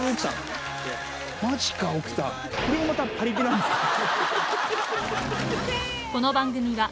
これもまたパリピなんですけど。